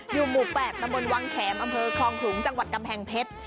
อยู่หมู่๘ตำบลวังแขมอำเภอคลองขลุงจังหวัดกำแพงเพชร